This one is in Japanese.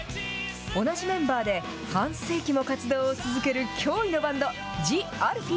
同じメンバーで半世紀も活動を続ける驚異のバンド、ＴＨＥＡＬＦＥＥ。